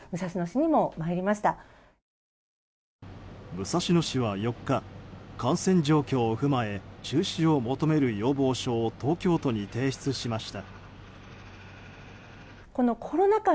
武蔵野市は４日感染状況を踏まえ中止を求める要望書を東京都に提出しました。